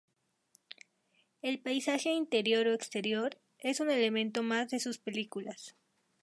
El paisaje, interior o exterior, es un elemento más de sus películas.